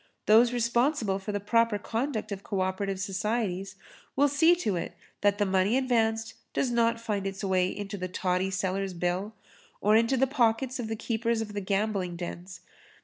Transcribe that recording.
Those responsible for the proper conduct of co operative societies will see to it that the money advanced does not find its way into the toddy seller's bill or into the pockets of the keepers of gambling dens.